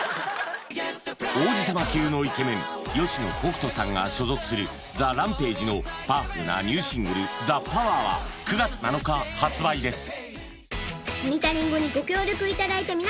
王子様級のイケメン吉野北人さんが所属するＴＨＥＲＡＭＰＡＧＥのパワフルなニューシングル「ＴＨＥＰＯＷＥＲ」は９月７日発売です